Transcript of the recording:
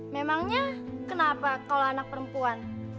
memangnya kenapa kalau anak perempuan